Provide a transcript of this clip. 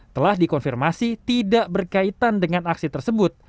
telah dikonfirmasi tidak berkaitan dengan aksi tersebut